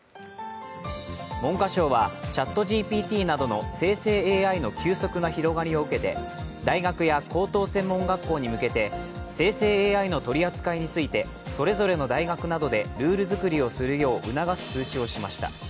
文科省はＣｈａｔＧＰＴなどの生成ＡＩの急速な広がりを受けて大学や高等専門学校に向けて生成ＡＩの取り扱いについてそれぞれの大学などでルール作りをするよう促す通知をしました。